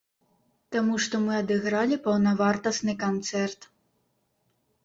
Таму што мы адыгралі паўнавартасны канцэрт.